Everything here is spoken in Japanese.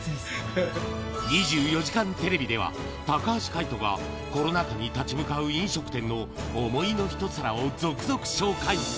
２４時間テレビでは、高橋海人がコロナ禍に立ち向かう飲食店の想いの一皿を続々紹介。